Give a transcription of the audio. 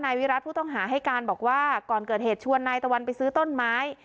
วิรัติผู้ต้องหาให้การบอกว่าก่อนเกิดเหตุชวนนายตะวันไปซื้อต้นไม้